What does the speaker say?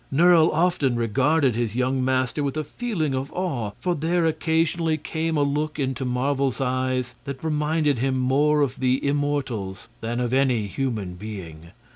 Nerle often regarded his young master with a feeling of awe, for there occasionally came a look into Marvel's eyes that reminded him more of the immortals than of any human being.